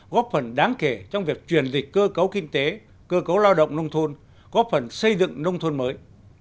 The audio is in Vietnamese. góp phần đáng kể trong việc truyền dịch cơ cấu kinh tế cơ cấu lao động nông thôn góp phần xây dựng nông thôn mới